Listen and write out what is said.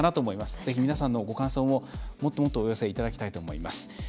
ぜひ皆さんのご感想ももっともっとお寄せいただきたいと思います。